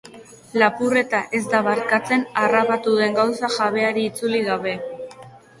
Lapurreta ez da barkatzen harrapatu den gauza jabeari itzuli gabe.